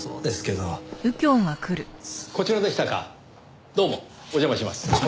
どうもお邪魔します。